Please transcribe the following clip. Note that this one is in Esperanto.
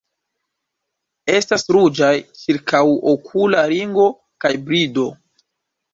Estas ruĝaj ĉirkaŭokula ringo kaj brido.